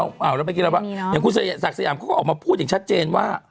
แล้วเมื่อกี้เราว่าอย่างคุณศักดิ์สยามเขาก็ออกมาพูดอย่างชัดเจนว่า